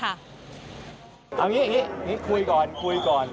เอาอย่างนี้คุยก่อนคุยก่อน